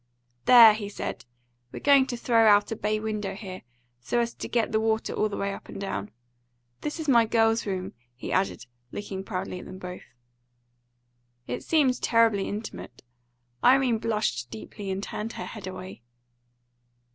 "There!" he said, "we're going to throw out a bay window here, so as get the water all the way up and down. This is my girls' room," he added, looking proudly at them both. It seemed terribly intimate. Irene blushed deeply and turned her head away.